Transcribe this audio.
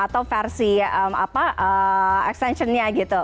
atau versi apa extension nya gitu